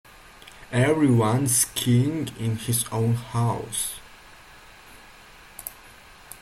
Every one is king in his own house.